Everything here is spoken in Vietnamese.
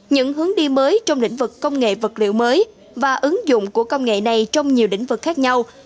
những hướng đi mới trong lĩnh vực công nghệ vật liệu mới và ứng dụng của công nghệ này trong nhiều lĩnh vực khác nhau